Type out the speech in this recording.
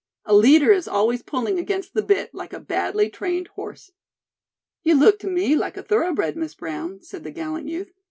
A leader is always pulling against the bit like a badly trained horse." "You look to me like a thoroughbred, Miss Brown," said the gallant youth.